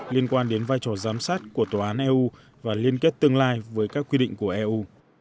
liên quan đến vai trò giám sát của tòa án eu và liên kết tương lai với các quy định của eu